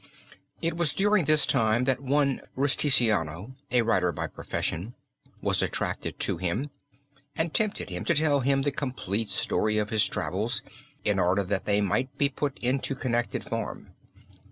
It was during this time that one Rusticiano, a writer by profession, was attracted to him and tempted him to tell him the complete story of his travels in order that they might be put into connected form.